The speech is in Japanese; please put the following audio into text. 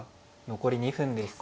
残り２分です。